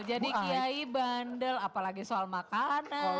kiai bandel apalagi soal makanan